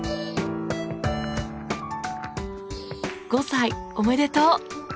５歳おめでとう！